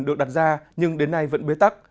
được đặt ra nhưng đến nay vẫn bế tắc